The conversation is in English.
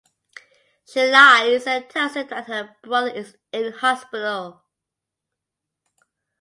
She lies and tells him that her brother is in hospital.